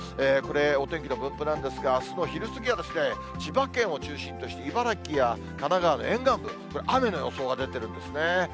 これ、お天気の分布なんですが、あすの昼過ぎは、千葉県を中心として、茨城や神奈川の沿岸部、雨の予想が出てるんですね。